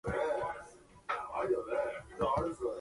The floating step is difficult to perform.